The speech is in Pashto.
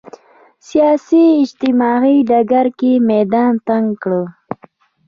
سیاسي اجتماعي ډګر کې میدان تنګ کړ